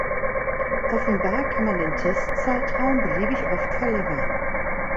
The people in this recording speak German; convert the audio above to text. Offenbar kann man den Testzeitraum beliebig oft verlängern.